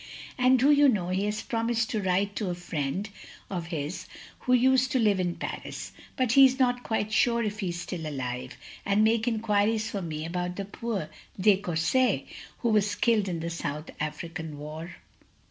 " And do you know he has promised to write to a friend of his, who used to live in Paris — (but he is not quite sure if he is still alive) — ^and make enquiries for me about the poor de Courset who was killed in the South African War?"